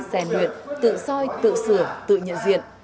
xe luyện tự soi tự sửa tự nhận diện